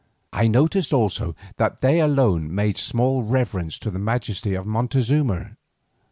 I noticed also that they alone made small reverence to the majesty of Montezuma.